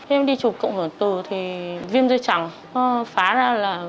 em đi chụp cộng hưởng từ thì viêm dây chẳng phá ra là